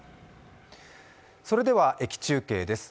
それでは駅中継です。